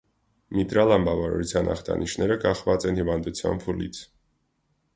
Միտրալ անբավարարության ախտանիշները կախված են հիվանդության փուլից։